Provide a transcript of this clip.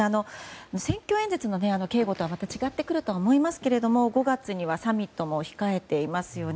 選挙演説の警護とは違ってくると思いますが５月にはサミットも控えていますよね。